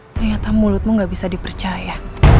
ternyata mulutmu gak bisa dipercaya